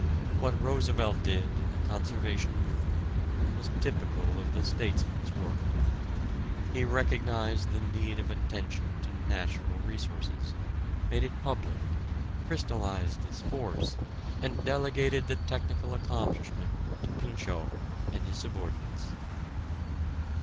What Roosevelt did in the conservation movement was typical of the statesman's work. He recognized the need of attention to natural resources, made it public, crystallized its force and delegated the technical accomplishment to Pinchot and his subordinates.